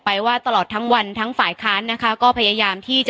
ว่าตลอดทั้งวันทั้งฝ่ายค้านนะคะก็พยายามที่จะ